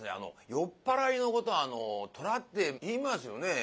酔っ払いのことを「虎」って言いますよね？